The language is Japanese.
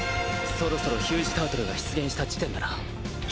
そろそろヒュージタートルが出現した地点だな。